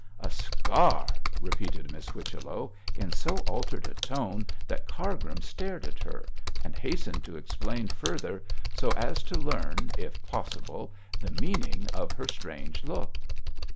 'A scar!' repeated Miss Whichello, in so altered a tone that Cargrim stared at her, and hastened to explain further, so as to learn, if possible, the meaning of her strange look.